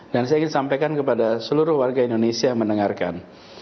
dan saya ingin sampaikan kepada seluruh warga indonesia yang mendengarkan